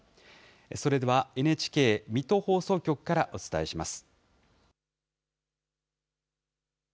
それではＮＨＫ水戸放送局からお伝えします。